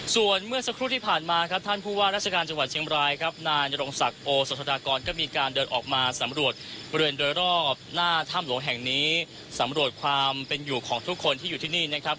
ส่วนเมื่อสักครู่ที่ผ่านมาครับท่านผู้ว่าราชการจังหวัดเชียงบรายครับนายนรงศักดิ์โอสธนากรก็มีการเดินออกมาสำรวจบริเวณโดยรอบหน้าถ้ำหลวงแห่งนี้สำรวจความเป็นอยู่ของทุกคนที่อยู่ที่นี่นะครับ